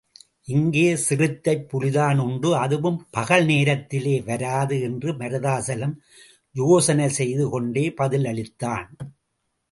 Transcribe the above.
இங்கே சிறுத்தைப் புலிதான் உண்டு அதுவும் பகல் நேரத்திலே வராது என்று மருதாசலம் யோசனை செய்து கொண்டே பதிலளித்தான்.